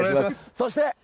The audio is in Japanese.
そして。